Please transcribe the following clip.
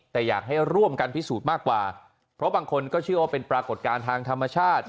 แต่อยากให้ร่วมกันพิสูจน์มากกว่าเพราะบางคนก็เชื่อว่าเป็นปรากฏการณ์ทางธรรมชาติ